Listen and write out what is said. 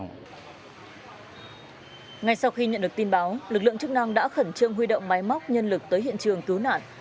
ngay sau khi nhận được tin báo lực lượng chức năng đã khẩn trương huy động máy móc nhân lực tới hiện trường cứu nạn